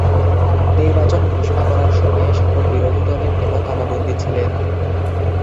নির্বাচন ঘোষণা করার সময়ে সকল বিরোধী দলের নেতা কারাবন্দী ছিলেন।